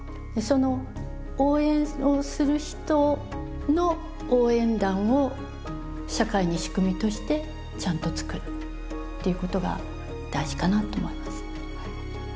その応援をする人の応援団を社会に仕組みとしてちゃんとつくるっていうことが大事かなと思います。